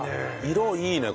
色いいね